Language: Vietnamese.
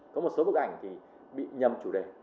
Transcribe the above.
có một số bức ảnh thì bị nhầm chủ đề